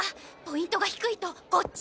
ポイントが低いとこっち！